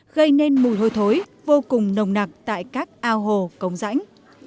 gây nên mùi hôi thối vô cùng nồng nặc tại các ao hồ cống rãnh